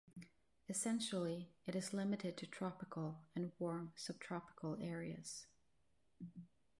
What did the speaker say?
Essentially it is limited to tropical and warm subtropical areas.